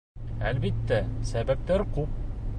— Әлбиттә, сәбәптәр күп.